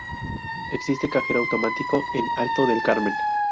Existe cajero automático en Alto del Carmen.